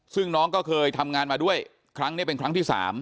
ซึ่งน้องก็เคยทำงานมาด้วยครั้งนี้เป็นครั้งที่๓